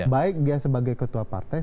baik dia sebagai ketua partai